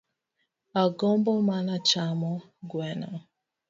Agombo mana chamo gweno